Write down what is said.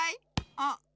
あっ！